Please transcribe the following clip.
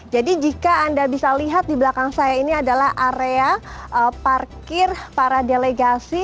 jadi jika anda bisa lihat di belakang saya ini adalah area parkir para delegasi